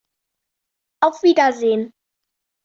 Auf Wiedersehen!